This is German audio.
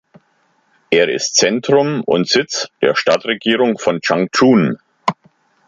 Er ist Zentrum und Sitz der Stadtregierung von Changchun.